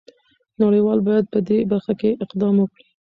نړۍ وال باید په دې برخه کې اقدام وکړي.